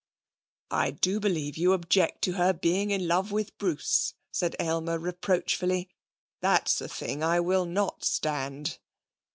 'I do believe you object to her being in love with Bruce,' said Aylmer reproachfully. 'That's a thing I will not stand.'